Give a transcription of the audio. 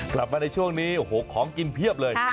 กลับมาในช่วงนี้โอ้โหของกินเพียบเลย